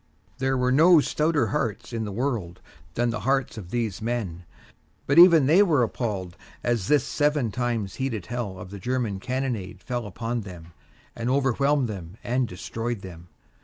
There were no stouter hearts in the whole world than the hearts of these men; but even they were appalled as this seven times heated hell of the German cannonade fell upon them and overwhelmed them and destroyed them.